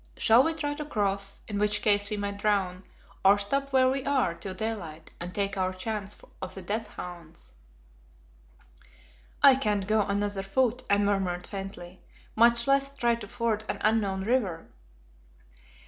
Shall we try to cross, in which case we might drown, or stop where we are till daylight and take our chance of the death hounds?" "I can't go another foot," I murmured faintly, "much less try to ford an unknown river."